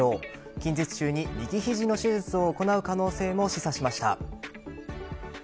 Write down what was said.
近日中に右肘の手術を行う可能性も示唆しました。